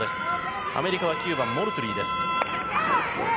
アメリカは９番、モルトゥリーです。